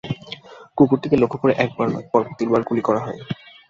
কুকুরটিকে লক্ষ্য করে একবার নয়, পরপর তিনবার গুলি করা হয়।